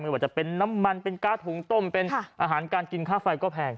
ว่าจะเป็นน้ำมันเป็นการ์ดถุงต้มเป็นอาหารการกินค่าไฟก็แพง